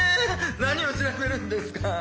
何を調べるんですか？